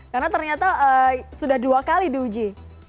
karena ternyata sudah dua kali di uji